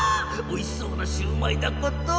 おいしそうなシューマイだこと！